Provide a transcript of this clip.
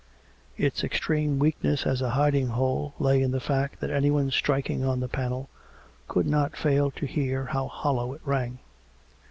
Its extreme weakness as a htding hole lay in the fact that anyone striking on the COME RACK! COME ROPE! 197 panel could not fail to hear how hollow it rang.